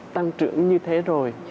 tăng trưởng như thế rồi